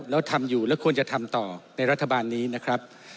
แล้วทำอยู่แล้วควรจะทำต่อในรัฐบาลนี้นะครับ